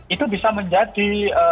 itu bisa menjadi